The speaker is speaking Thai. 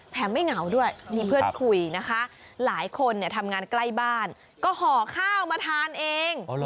ไม่เหงาด้วยมีเพื่อนคุยนะคะหลายคนทำงานใกล้บ้านก็ห่อข้าวมาทานเอง